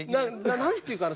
何ていうかな